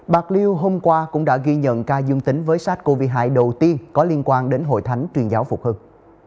bạc liêu hôm qua cũng đã ghi nhận ca dương tính với sars cov hai đầu tiên có liên quan đến hội thánh truyền giáo phục hưng